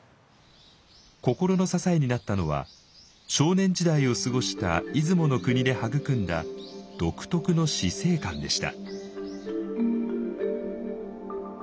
心の支えになったのは少年時代を過ごした出雲の国で育んだ独特の死生観でした。